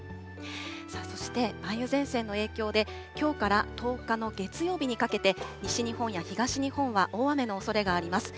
さあそして、梅雨前線の影響で、きょうから１０日の月曜日にかけて、西日本や東日本は大雨のおそれがあります。